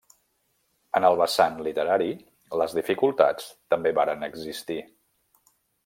En el vessant literari, les dificultats també varen existir.